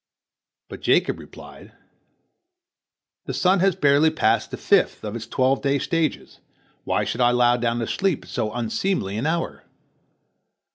But Jacob replied: "The sun has barely passed the fifth of its twelve day stages, why should I lie down to sleep at so unseemly an hour?"